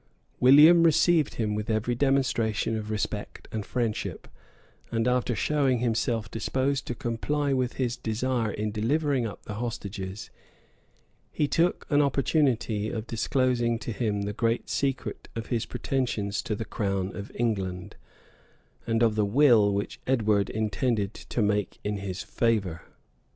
William received him with every demonstration of respect and friendship; and after showing himself disposed to comply with his desire in delivering up the hostages, he look an opportunity of disclosing to him the great secret of his pretensions to the crown of England, and of the will which Edward intended to make in his favor.